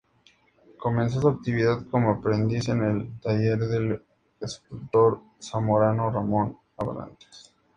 Comenzó su actividad como aprendiz en el taller del escultor zamorano Ramón Abrantes.